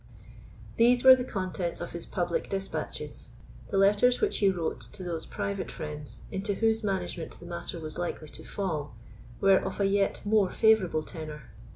These were the contents of his public despatches. The letters which he wrote to those private friends into whose management the matter was likely to fall were of a yet more favourable tenor.